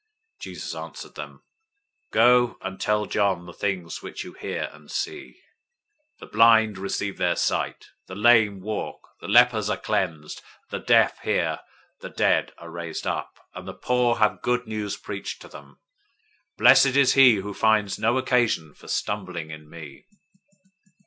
011:004 Jesus answered them, "Go and tell John the things which you hear and see: 011:005 the blind receive their sight, the lame walk, the lepers are cleansed, the deaf hear,{Isaiah 35:5} the dead are raised up, and the poor have good news preached to them.{Isaiah 61:1 4} 011:006 Blessed is he who finds no occasion for stumbling in me."